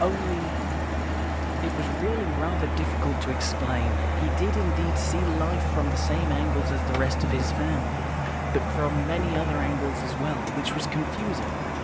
Only " It was really rather difficult to explain. He did indeed see life from the same angle as the rest of his family, but from many other angles as well, which was confusing.